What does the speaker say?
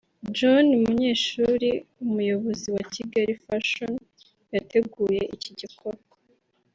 John Bunyeshuri umuyobozi wa Kigali fashion yateguye iki gikorwa